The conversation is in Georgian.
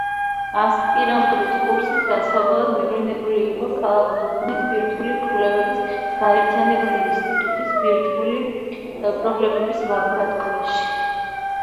ასპირანტურის კურსის გასავლელად მივლინებული იყო ქალაქ დუბნის ბირთვული კვლევების გაერთიანებული ინსტიტუტის ბირთვული პრობლემების ლაბორატორიაში.